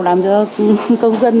làm cho công dân